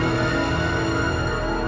uang yang akan kau butuhkan